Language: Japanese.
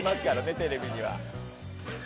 テレビには。